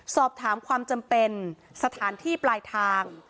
สอบถามความจำเป็นสถานที่ปลายทาง